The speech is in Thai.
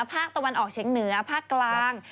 ภาคตะวันออกเฉียงเหนือภาคกลาง